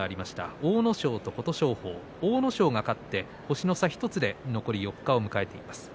阿武咲と琴勝峰阿武咲が勝って星の差１つで残り４日を迎えています。